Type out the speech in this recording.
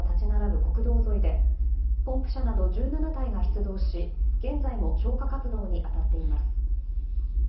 国道沿いでポンプ車など１７台が出動し現在も消火活動に当たっています。